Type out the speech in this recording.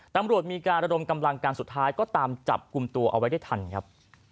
ตำรวจมีการระดมกำลังการสุดท้ายก็ตามจับกลุ่มตัวเอาไว้ได้ทันครับ